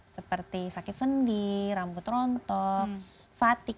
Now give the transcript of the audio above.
seperti sakit sendi rambut rontok fatigue